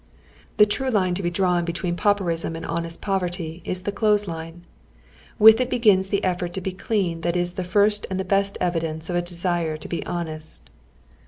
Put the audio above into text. The true line to be drawn between pauperism and honest jjoverty is the elothes liue. With it begins the effort to be clean that is the first aud the best evidence of a desire to be honest.